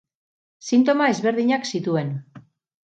Sintoma ezberdinak zituen.